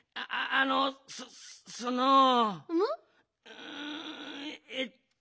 うんえっと。